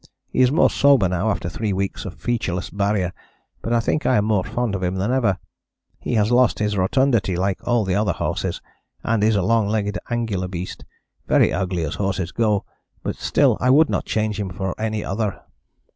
He is more sober now after three weeks of featureless Barrier, but I think I am more fond of him than ever. He has lost his rotundity, like all the other horses, and is a long legged, angular beast, very ugly as horses go, but still I would not change him for any other."